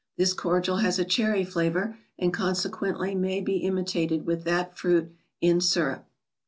This cordial has a cherry flavor, and consequently may be imitated with that fruit in syrup.